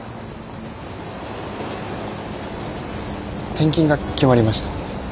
転勤が決まりました。